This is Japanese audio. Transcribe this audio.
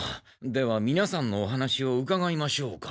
ではみなさんのお話をうかがいましょうか。